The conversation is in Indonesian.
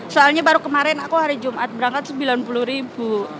soalnya baru kemarin aku hari jumat berangkat rp sembilan puluh ribu